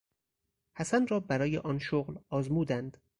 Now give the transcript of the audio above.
حسن را برای آن شغل آزمودند.